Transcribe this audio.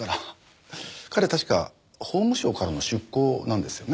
彼確か法務省からの出向なんですよね？